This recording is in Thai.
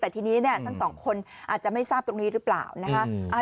แต่ทีนี้เนี่ยทั้งสองคนอาจจะไม่ทราบตรงนี้หรือเปล่านะคะ